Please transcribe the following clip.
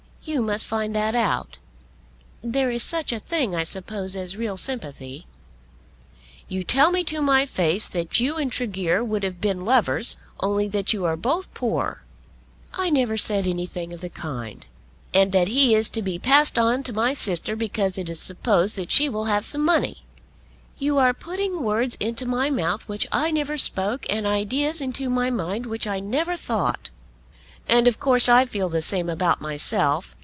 "You must find that out. There is such a thing I suppose as real sympathy." "You tell me to my face that you and Tregear would have been lovers only that you are both poor." "I never said anything of the kind." "And that he is to be passed on to my sister because it is supposed that she will have some money." "You are putting words into my mouth which I never spoke, and ideas into my mind which I never thought." "And of course I feel the same about myself.